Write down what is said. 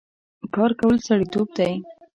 کار کول سړيتوب دی